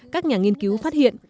các nhà nghiên cứu phát hiện